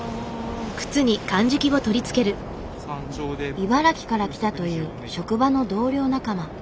茨城から来たという職場の同僚仲間。